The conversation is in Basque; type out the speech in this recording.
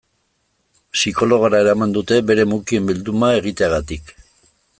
Psikologora eraman dute bere mukien bilduma egiteagatik.